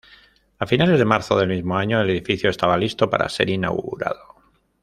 A finales de marzo del mismo año, el edificio estaba listo para ser inaugurado.